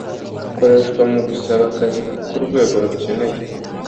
ikoreshwa mu gusaba akazi ku rwego rukeneye